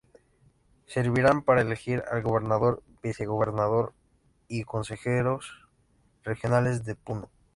Servirán para elegir al gobernador, vicegobernador y consejeros regionales de Puno.